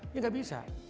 ini tidak bisa